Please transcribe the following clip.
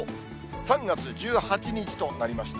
３月１８日となりました。